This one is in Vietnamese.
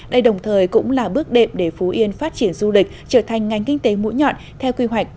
đây đồng thời cũng là bước đệm để phú yên phát triển du lịch trở thành ngành kinh tế mũi nhọn theo quy hoạch